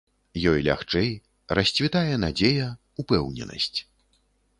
Ёй лягчэй, расцвітае надзея, упэўненасць.